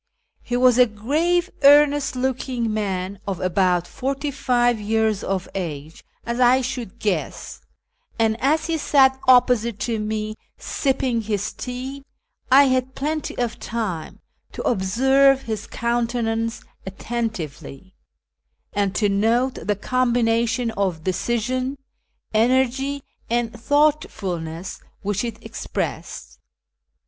He M'as a grave, earnest looking man of about forty five years of age, as I should guess ; and as he sat opj)Osite to me sipping his tea, I had plenty of time to observe his countenance attentively, and to note the combination of decision, energy, and thought fulness which it expressed.